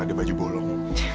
pada baju bolong